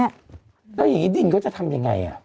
แล้วอย่างนี้ดินเขาจะทำยังไง